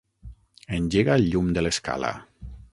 Engega el llum de l'escala.